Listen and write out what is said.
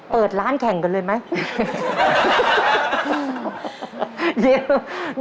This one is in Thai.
เปิดร้านแข่งกันเลยไหม